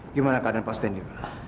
gimana keadaan pak stanley